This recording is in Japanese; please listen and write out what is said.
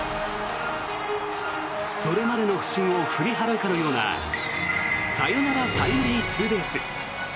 それまでの不振を振り払うかのようなサヨナラタイムリーツーベース。